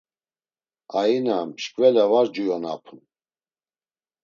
Aina mşkvela var cuyonapun.